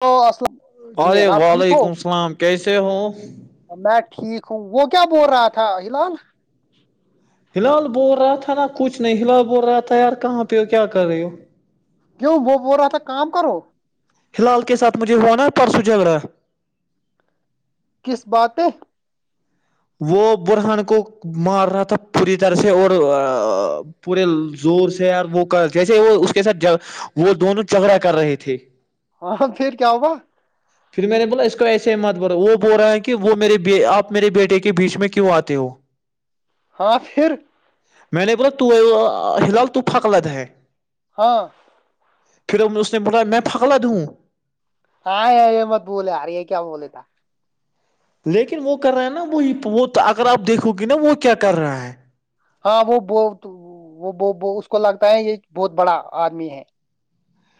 تو اسلام ارے جنید آپ ٹھیک وعلیکم ہو السلام کیسے ہو [unintelligible] میں ٹھیک ہوں وہ کیا بول رہا تھا ہلال [unintelligible] ہلال بول رہا تھا نا کچھ نہیں ہلال بول رہا تھا یار کہاں پہ ہو کیا کر رہے ہو کیوں وہ وہ رہا تھا کام کرو ہلال کے ساتھ مجھے ہوا نا پرسو جھگ رہا کس باتیں وہ برہان کو مار رہا تھا پوری طرح سے اور پورے زور سے یار وہ کر جیسے وہ اس کے ساتھ وہ دونوں جھگڑا کر رہے تھے ہاں پھر کیا ہوگا پھر میں نے بولا اس کو ایسے مت بول رہا وہ بول رہا ہے کہ وہ میرے آپ میرے بیٹے کے بیچ میں کیوں آتے ہو آ پر میں نے بولا تو ہلال تو پک لت ہے ہاں پھر ہم اس نے بولا میں پھاگالا دوں ہاں ار یہ مت بولے آارے یہ کیا بولے تھا لیکن وہ کر رہا ہے نا وہ وہ اگر آپ دیکھو گے نا وہ کیا کر رہا ہے ہاں وہ ب وہ اس کو لگتا ہے یہ بہت بڑا آدمی ہے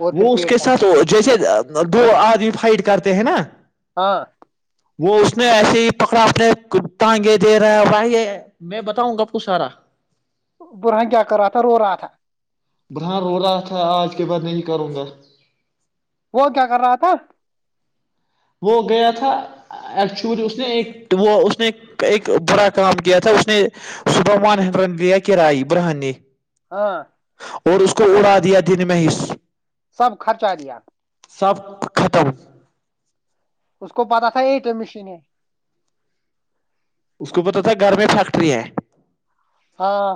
اور پھر وہ اس کے پیڑتا ہے ساتھ جیسے دو آدمی فائٹ کرتے ہیں نا ہاں وہ اس نے ایسے ہی پکڑا اپنے تٹانگے دے رہا ہے بائی میں بتاؤں گاب کچھ سارا برہن کیا کر رہا تھا رو رہا تھا برہان رو رہا تھا آج کے بعد نہیں کروں گا وہ کیا کر رہا تھا وہ گیا تھا ایکچولی اس نے ایک وہ اس نے ایک برا کام کیا تھا اس نے صبح ون ہنڈریڈ لیا کرائی برہن نے ہاں اور اس کو اڑا دیا دن میں ہی سب خرچا دیا سب ختم اس کو پتا تھا یہ تو مشین اس کو پتا تھا گھر میں فیکٹری ہے ہاں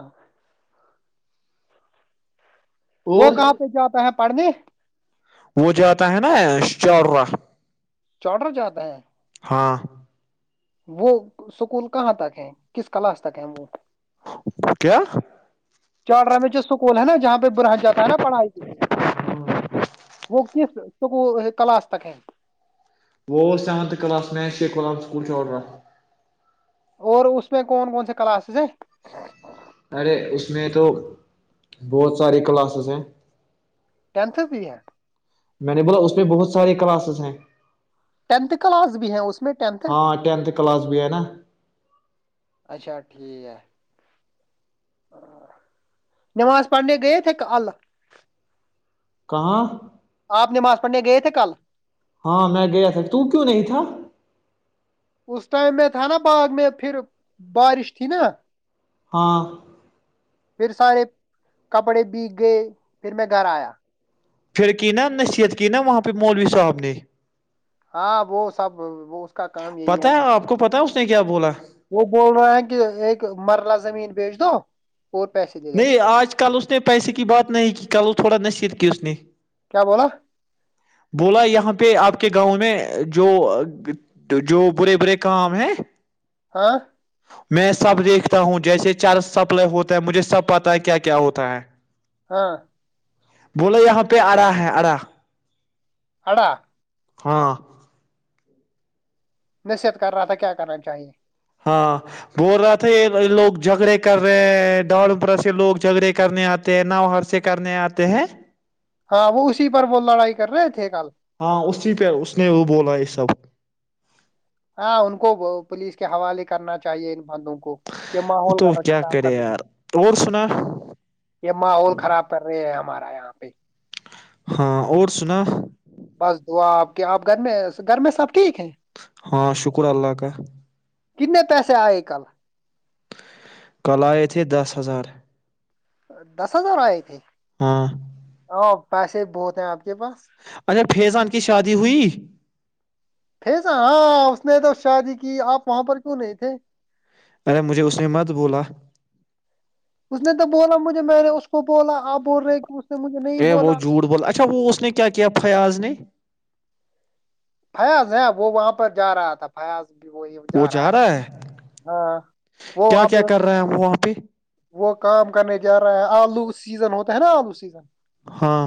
وہ اور کہاں پہ جاتا ہے پڑھ د وہ جاتا ہے نا چا چوڈر جاتا ہے ہاں وہ سکول کہاں تک ہے کس کلاس تک ہے وہ کیا چاڑرام میں ج سکول ہے نا جہاں پہ رہ جاتا ہے نا پڑھائی کے لیے وہ کس تو کو کلا آج تک ہے وہ سیونتھ کلاس میں شیخ غلام سکول چو رہا اور اس میں کون کون سے کلاسز ہیں ارے اس میں تو بہت سارے کلاسز ہیں ٹینتھ بھی ہے میں نے بولا اس میں بہت سارے کلاسز ہیں ٹینھ کلاس بھی ہے اس میں ٹھ ہاں ٹینتھ کلاس بھی ہے نا اچھا ٹھیک نماز پڑھنے گئے تھے ایک ال کہاں آپ نماز پڑھنے گئے تھے کل ہاں میں گیا تھا تو کیوں نہیں تھا اس ٹائم میں تھا نا باغ میں پھر بارش تھی نا ہاں پھر سارے کپڑے بیگ گئے پھر میں گھر آیا پھر کی نا نصیحت کی نا وہاں پہ مولوی صاحب نے ہاں وہ سب وہ اس کا کام یہی ہے پتا آپ کو پتا ہے اس نے کیا بولا وہ بول رہے ہیں کہ ایک مرلہ زمین بیچ دو اور پیسے دے دو نہیں آج کل اس نے پیسے کی بات نہیں کی کل وہ تھوڑا نصیر کی اسنی کیا بولا بولا یہاں پہ آپ کے گاؤں میں جو جو برے برے کام ہیں ہاں میں سب دیکھتا ہوں جیسے چار سپل ہوتا ہے مجھے سب پتا ہے کیا کیا ہوتا ہے ہاں بولو یہاں پہ ارا ہے ارا آڈا ہاں نصیحت کر رہا تھا کیا کرنا چاہیے ہاں بول رہا تھا یہ لوگ جھگڑے کر رہے ہیں دڑ پرا سے لوگ جھگڑے کرنے آتے ہیں نو ہر سے کرنے آتے ہیں ہاں وہ اسی پر وہ لڑائی کر رہے تھے کل ہاں اسی پہ اس نے وہ بولا یہ سب ہاں ان کو پولیس کے حوالے کرنا چاہیے کو یہ ماحول تو کیا خراب کر کرے رہے یار اور سنا یہ ماحول خراب کر رہے ہیں ہمارا ہے یہاں پہ ہاں اور سنا بس دعا آپ کے آپ گھر میں گھر میں سب ٹھیک ہیں ہاں شکر اللہ کا کننے پیسے آئے کل کل آئے تھے دس ہزار دس ہزار آ ا تھے ہاں پیسے بھی بہت ہیں آپ کے پاس اچھا فیضان کی شادی ہوئی پس ہاں اس نے تو شادی کی آپ وہاں پر کیوں نہیں تھے ارے مجھے اس نے مت بولا اس نے تو بولا مجھے میں نے اس کو بولا آپ بول رہے نے مجھے نہیں ا وہ بولا جھوٹ بول اچھا وہ اس نے کیا کیا پیا آج نے فیاض ہے وہاں پر جا رہا تھا فیاض بھی وہی ب ج رہا ہے ہاں وہ کیا اب کیا کر رہے ہیں وہ اپی وہ کام کرنے جا رہا ہے آلو سیزن ہوتا ہے نا آلو سیزن ہاں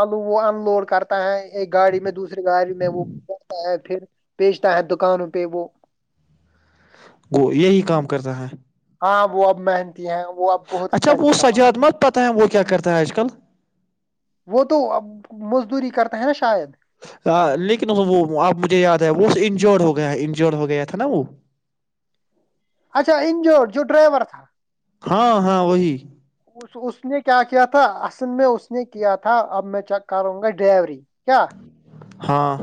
آلو وہ ان لوڈ کرتا ہے ایک گاڑی میں دوسری گاڑی میں وہ بیٹھتا ہے پھر بیچتا ہے دکانوں پہ وہ گ یہی کام کرتا ہے ہاں وہ اب م وہ اب بہت اچھا پیسے وہ کماتا سجاد ہے مت پتہ وہ کیا کرتا ہے آج کل وہ تو اب مزدوری کرتا ہے نا شاید ہاں لیکن وہ آپ مجھے یاد ہے وہ انجڈ ہو گیا انجورڈ ہو گیا تھا نا وہ اچھا انج جو ڈرائیور تھا ہاں ہاں وہی اس اس نے کیا کیا تھا اصل میں اس نے کیا تھا اب میں چیک کروں گا ڈروری کیا ہاں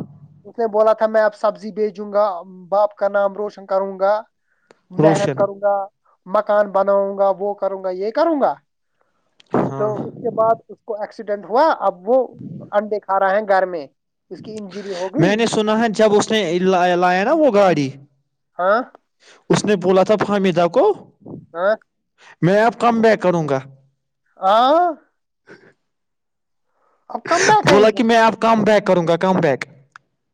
اس نے بولا تھا میں اب سبزی بھیجوں گا باپ کا نام روشن کروں گا محنت روشن کروں گا مکان بناؤں گا وہ کروں گا یہ کروں گا تو ہاں اس کے بعد اس کو ایکس ڈنٹ ہوا اب وہ انڈے کھا رہا ہیں گھر میں اس کی انجری ہوگی میں نے سنا ہے جب اس نے لایا نا وہ گاڑی ہاں اس نے بولا تھا فامدا کو آ [inaudible] میں اب کم بیک کروں گا آ [inaudible] بیک بولا کرے کہ گا میں آپ کام بیک کروں گا کم بیک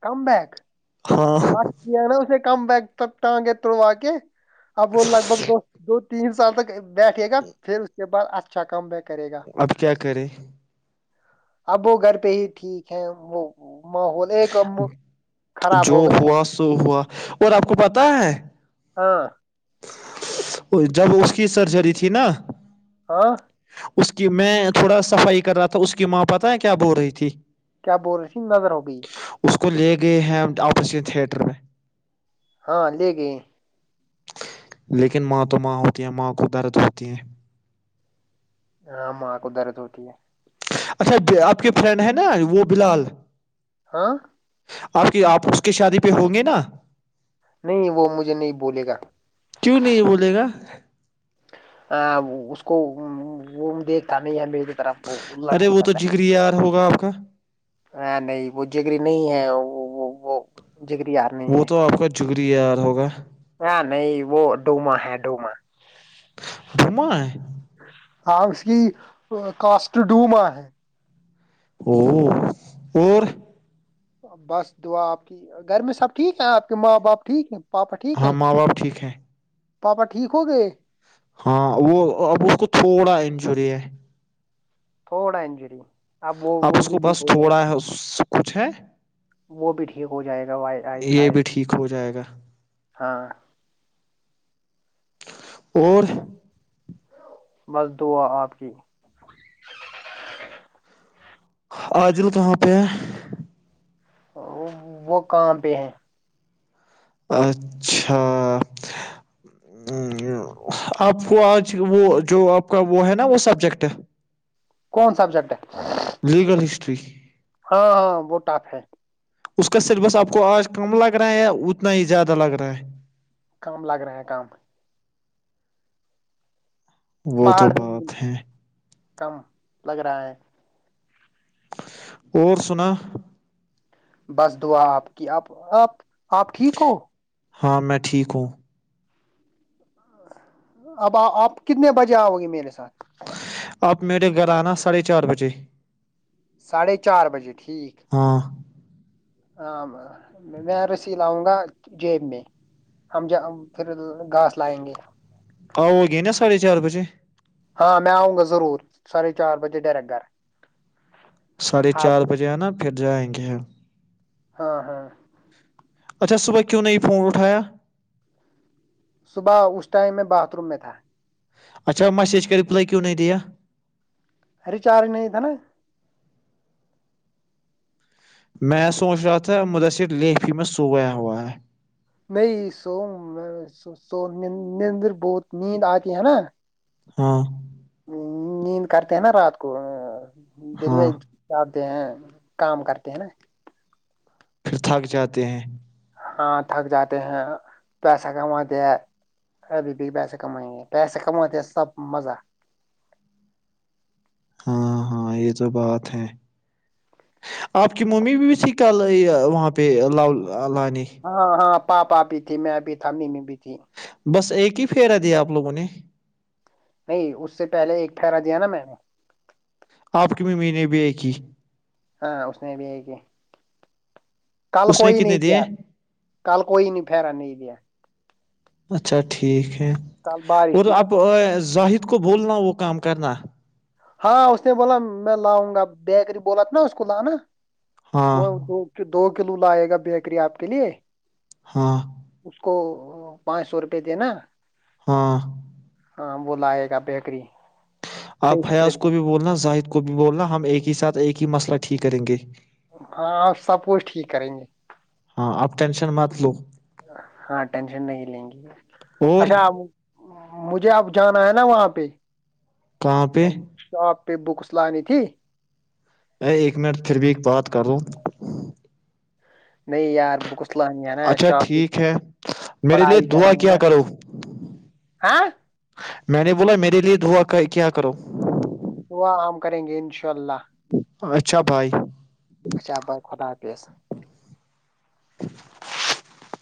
کم بیک ہاں ہٹیا نا اسے کم بیک تپت ہ گ توڑوا کےے اب وہ لگ بھگ دو دو تین سال تک [unintelligible] بیٹھے گا پھر اس کے بد اچھا [unintelligible] اچھ کم ب [unintelligible] اب کیا کرے [unintelligible] اب وہ گھر پہ ہی ٹھیک ہے وہ ماحول ایک [unintelligible] کمب خراب جو [unintelligible] ہوا سو ہوا اور آپ کو [unintelligible] تو پتہ ہے [unintelligible] ہاں [unintelligible] جب اس کی سرجری تھی نا [unintelligible] ہاں اس کی میں تھوڑا صفائی کر رہا تھا اس کی ماں پتاہ ہے کیا بول رہی تھی [unintelligible] کیا بول رہی تھی نظر ہو بھئی [unintelligible] اس کو لے گئے ہیں ہم آپریشن تھیٹر میں [unintelligible] ہاں لے گ [unintelligible] لیکن ماں تو ماں ہوتی ہیں ماں کو درد ہوتی ہیں [unintelligible] ہاں ماں کو درد ہوتی ہے [unintelligible] اچھا آپ کے فرینڈ ہے نا وہ بلال [unintelligible] ہاں [unintelligible] آپ کی آپ اس کی شادی پہ ہوں گے نا [unintelligible] نہیں وہ مجھے نہیں بولے گا کیوں نہیں [unintelligible] بولے گا ا اس کو وہ دیکھتا نہیں ہمیں [unintelligible] ارے وہ تو جگری یار ہوگا [unintelligible] ک [unintelligible] ہاں نہیں وہ جگری نہیں ہے وہ [unintelligible] جگری آار نہیں ہے [unintelligible] ت ہزار ہوگا [unintelligible] ہاں نہیں وہ ڈوما ہے ڈوما [unintelligible] بوما کہ کاسٹڈووما ہے ہو اور بس دعا آپ کی گھر میں سب ٹھیک ہے آپ کے ماں باپ ٹھیک ہیں پاپا ٹھیک ہاں ہیں ماں باپ ٹھیک ہے پاپا ٹھیک ہو گئے ہاں وہ اب اس کو تھوڑا انجری ہے تھوڑا انجری وہ اب وہ اس بھی کو ٹھیک بس ہو جائے تھوڑا گا ہے کچھ ہے وہ بھی ٹھیک ہو جائے گا آہستہ یہ بھی آہستہ ٹھیک ہو جائے گا ہاں اور بس دعا آپ کی آاجل کہاں پہ ہے وہ کہاں پہ ہے اچھا آپ کو آج وہ جو آپ کا وہ ہے نا وہ سبجیکٹ کون سبجیکٹ ہے لگل تری ہاں ہاں وہ ٹاپ ہے اس کا سلبس آپ کو آج کم لگ رہا ہے یا اتنا ہی زیادہ لگ رہا ہے کام لگ رہے ہیں کام وہ تو پہاڑ نہیں بات مل رہا ہے کم لگ رہا ہے اور سنا بس دعا آپ کی آپ آپ آپ ٹھیک ہو ہاں میں ٹھیک ہوں اب آپ کتنے بجے آؤ گے میرے ساتھ آپ میرے گھر آنا ساڑھے چار بجے ساھے چار بجے ٹھیک ہاں ہ میں رسی لاؤں گا جیب میں ہم ج پھر گھاس لائیں گے آو ہو گئے نا ساھے چار بجے ہاں میں آؤں گا ضرور ساھے چار بجے ڈائریکٹ گھر ساھے چار آپ بجے ہے نا پھر جائیںگ ہاں ہاں اچھا صبح کیوں نے یہ فون اٹھایا صبح اس ٹائم میں باتھ روم میں تھا اچھا میسیج کے رپلائی کیوں نہ دیا ار چار نہیں تھا نا میں سوچ رہا تھا مدثر لیفی میں سو گیا ہوا ہے نہیں س س ندر بہت نیند آتی ہے نا ہاں نیند کرتے ہیں نا رات کو دن ہاں کر ہیں کام کرتے ہیں نا پھر تھک جاتے ہیں ہاں تھک جاتے ہیں پیسہ کماتے ہیں ابھی بھی پیسے کمائیں گے پیسے کماتے ہیں سب مزہ ہاں ہاں یہ تو بات ہے آپ کی ممی بھی سیکھ کل وہاں پہ لاؤ تالانی ہاں ہاں پاپا بھی تھی میں بھی تھا ممی بھی تھی [inaudible] بس ایک ہی پھیرا دیا آپ لوگوں نے [unintelligible] نہیں اس سے پہلے ایک ٹھہرا دیا نا میں نے [unintelligible] آپ کی ممی نے بھی ایک کی [unintelligible] ہاں اس نے بھی یہ کہ [inaudible] کل اس نے کوئی نہیں کتنے دیے دیا کل کوئی نہیں پرا نہیں دیا [unintelligible] اچھا ٹھیک ہے کل بارش اور تھی نا اب ظاہر [unintelligible] خ کو بولنا وہ کام کرنا [inaudible] ہاں اس نے بولا میں لاؤں گا بیکری بولا تھا نا اس کو لانا [unintelligible] ہاں وہ دو کے دو [inaudible] کلو لائے گا بیکری آپ کے لیے [inaudible] ہاں [inaudible] اس کو پانچ سو روپئے دینا ہاں [inaudible] ہاں وہ لائے گا بکری آپ حیا اس کو [inaudible] کو بھی بولنا زاہد کو بھی بولنا ہم ایک ہی ساتھ ایک ہی مسئلہ ٹھیک کریں گے ہاں سب کچھ ٹھیک کریں گے [unintelligible] ہاں آپ ٹینشن مت لو [unintelligible] ہاں ٹینشن نہیں لیں گی اور اچھا [unintelligible] مجھے اب جانا ہے نا وہاں پہ کہاں [unintelligible] پہ اچھا آپ [inaudible] پ بکس لانانی تھی [unintelligible] ا ایک منٹ پھر بھی بات کر لا [unintelligible] نہیں یار بک [unintelligible] اچھا ٹھیک ہے میرے لیے پڑھائی دعا کرنی ہے کیا نا کرو ہاں [unintelligible] میں نے بولا میرے لیے دھوا کا [inaudible] کیا کرو [inaudible] دعا ہم کریں گے انشاء اللہ [inaudible] اچھا بھائی [unintelligible] اچھا بائے خدا حافظ [unintelligible] [inaudible]